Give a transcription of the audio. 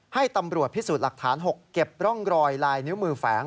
ให้ตำรวจพิสูจน์หลักฐาน๖เก็บร่องรอยลายนิ้วมือแฝง